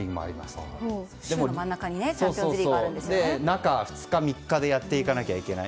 中２日、３日でやっていかなきゃいけない。